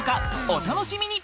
お楽しみに！